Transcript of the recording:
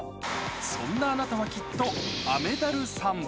そんなあなたはきっと雨ダルさん。